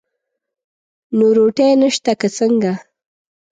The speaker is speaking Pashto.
نو روټۍ نشته که څنګه؟